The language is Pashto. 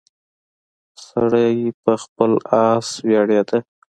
سړی په خپل اس ویاړیده.